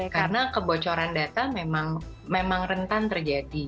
karena kebocoran data memang rentan terjadi